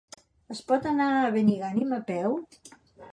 Es pot anar a Benigànim a peu?